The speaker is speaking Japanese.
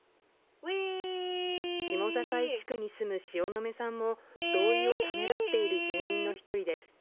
下境地区に住む塩野目さんも同意をためらっている住民の１人です。